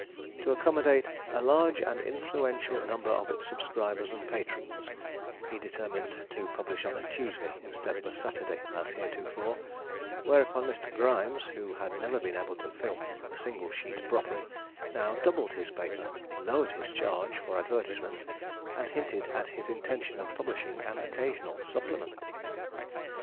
To accommodate 'a large and influential number of its subscribers and patrons,' he determined to publish on a Tuesday instead of on a Saturday as heretofore, whereupon Mr. Grimes, who had never been able to fill a single sheet properly, now doubled his paper, lowered his charge for advertisements, and hinted at his intention of publishing an occasional supplement.